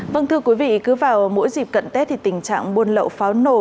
vâng thưa quý vị cứ vào mỗi dịp cận tết thì tình trạng buôn lậu pháo nổ